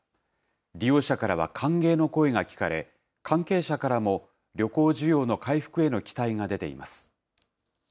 利用者からは歓迎の声が聞かれ、関係者からも旅行需要の回復への期待が出ています。